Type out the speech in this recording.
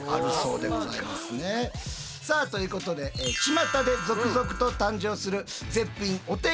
さあということでちまたで続々と誕生するご覧頂きましょう。